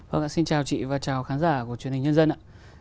vâng ạ xin chào chị và chào khán giả của truyền hình nhân dân ạ